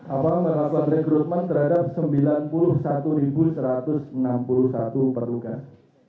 apa melakukan rekrutmen terhadap sembilan puluh satu satu ratus enam puluh satu perlukas